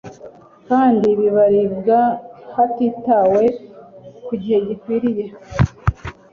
kandi bikaribwa hatitawe ku gihe gikwiriye